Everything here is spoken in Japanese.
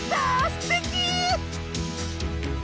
すてき！